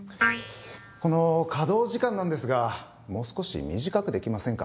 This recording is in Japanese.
この稼働時間なんですがもう少し短くできませんか？